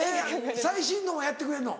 最新のもやってくれんの？